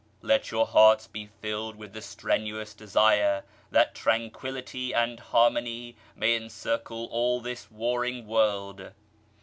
Let your hearts be filled with the strenuous desire that tranquillity and harmony may encircle all this warring world.